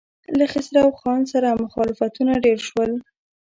له خسرو خان سره مخالفتونه ډېر شول.